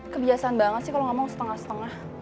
kebiasaan banget sih kalau ngomong setengah setengah